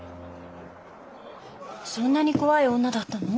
そんなに怖い女だったの？